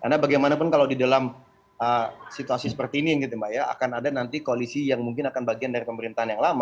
karena bagaimanapun kalau di dalam situasi seperti ini gitu mbak ya akan ada nanti koalisi yang mungkin akan bagian dari pemerintahan yang lama